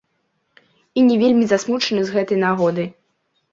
І не вельмі засмучаны з гэтай нагоды.